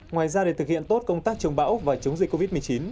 ngoài ra để thực hiện tốt công tác chống bão và chống dịch covid một mươi chín